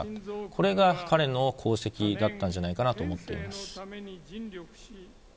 これが彼の功績だったんじゃないかなと思っています。